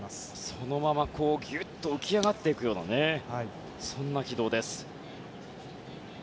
そのまま浮き上がっていくようなそんな軌道です。